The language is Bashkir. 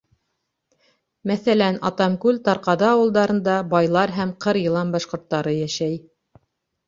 Мәҫәлән, Атамкүл, Тарҡаҙы ауылдарында байлар һәм ҡыр-йылан башҡорттары йәшәй.